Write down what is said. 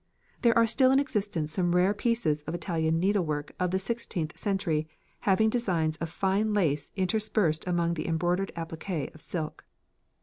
There are still in existence some rare pieces of Italian needlework of the sixteenth century having designs of fine lace interspersed among the embroidered appliqué of silk.